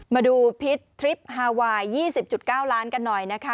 มาดูพิษทริปฮาไวน์๒๐๙ล้านกันหน่อยนะคะ